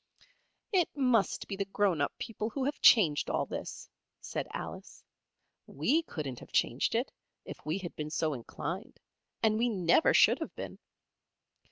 "It must be the grown up people who have changed all this," said Alice. "We couldn't have changed it, if we had been so inclined, and we never should have been.